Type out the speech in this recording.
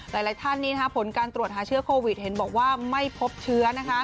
หลายท่านผลการตรวจหาเชื้อโควิดเห็นบอกว่าไม่พบเชื้อ